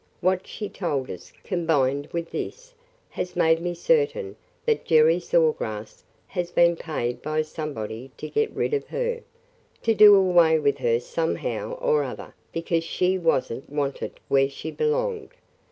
What she told us, combined with this, has made me certain that Jerry Saw Grass has been paid by somebody to get rid of her – to do away with her somehow or other because she was n't wanted where she belonged.